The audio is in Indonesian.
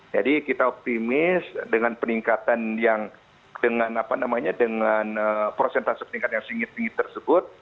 jadi kita optimis dengan peningkatan yang dengan prosentase peningkatan yang singkat singkat tersebut